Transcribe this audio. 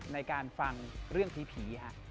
ในการฟังเรื่องผี